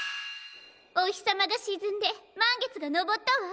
お日さまがしずんでまんげつがのぼったわ。